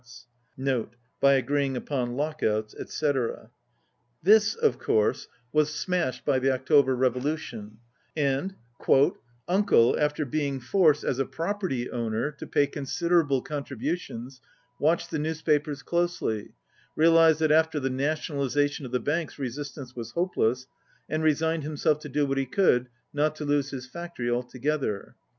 ^ This, of ^ By agreeing upon lock outs, etc. 71 course, was smashed by the October Revolution, and "Uncle, after being forced, as a property owner, to pay considerable contributions, watched the newspapers closely, realized that after the na tionalization of the banks resistance was hopeless, and resigned himself to do what he could, not to lose his factory altogether."